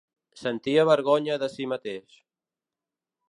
Sentia vergonya de si mateix